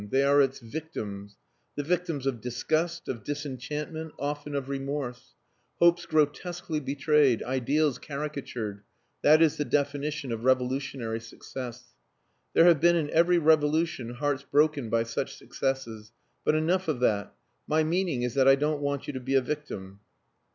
They are its victims: the victims of disgust, of disenchantment often of remorse. Hopes grotesquely betrayed, ideals caricatured that is the definition of revolutionary success. There have been in every revolution hearts broken by such successes. But enough of that. My meaning is that I don't want you to be a victim."